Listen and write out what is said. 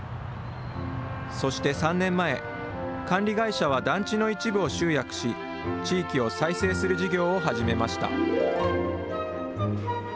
そして３年前、管理会社は団地の一部を集約し、地域を再生する事業を始めました。